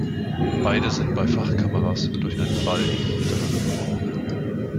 Beide sind bei Fachkameras durch einen Balgen miteinander verbunden.